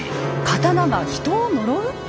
刀が人を呪う？